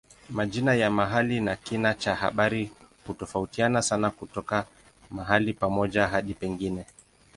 Majina ya mahali na kina cha habari hutofautiana sana kutoka mahali pamoja hadi pengine.